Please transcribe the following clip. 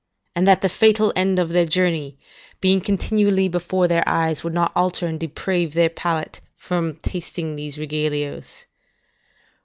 and that the fatal end of their journey being continually before their eyes, would not alter and deprave their palate from tasting these regalios?